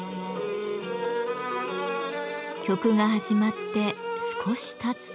曲が始まって少したつと？